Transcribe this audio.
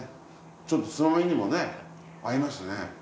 ちょっとつまみにもね合いますね。